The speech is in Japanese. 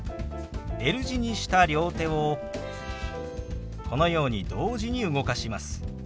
Ｌ字にした両手をこのように同時に動かします。